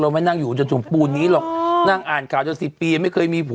จริงจะลางงานแล้วนะเนี่ย